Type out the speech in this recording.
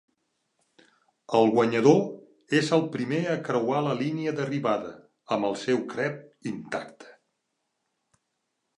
El guanyador és el primer a creuar la línia d'arribada amb el seu crep intacte.